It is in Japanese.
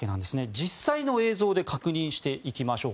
実際の映像で確認していきましょう。